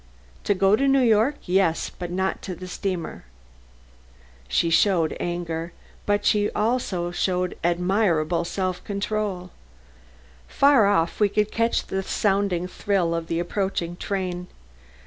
"To go to New York, yes; but not to the steamer." She showed anger, but also an admirable self control. Far off we could catch the sounding thrill of the approaching train.